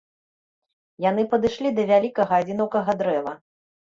Яны падышлі да вялікага адзінокага дрэва.